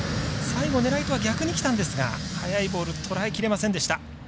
最後、狙いとは逆にきたんですが速いボールとらえきれませんでした。